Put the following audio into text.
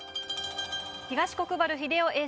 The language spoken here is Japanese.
東国原英夫